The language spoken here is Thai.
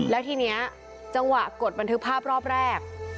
แล้วทีนี้จังหวะกดบันทึกภาพรอบแรก